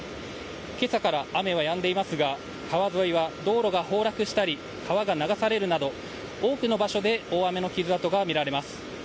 今朝から雨はやんでいますが川沿いは、道路が崩落したり橋が流されるなど多くの場所で大雨の傷跡が見られます。